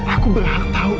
aku berhak tau udah